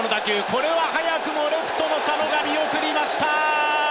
これは早くもレフトの佐野が見送りました！